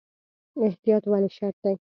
احتیاط ولې شرط دی؟